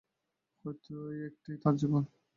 হয়তো এই একটিই তার জীবন।